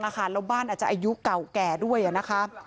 แล้วบ้านอาจจะอายุเก่าแก่ด้วยนะคะ